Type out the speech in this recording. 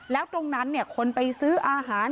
แล้วตรงนั้นคนไปซื้ออาหาร